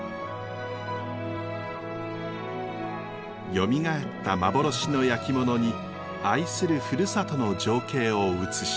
よみがえった幻の焼き物に愛するふるさとの情景を写し取る。